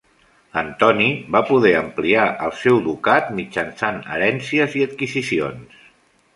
Antoni va poder ampliar el seu ducat mitjançant herències i adquisicions.